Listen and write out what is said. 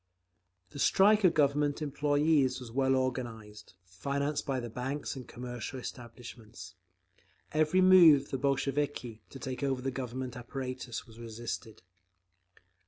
The strike of Government employees was well organised, financed by the banks and commercial establishments. Every move of the Bolsheviki to take over the Government apparatus was resisted.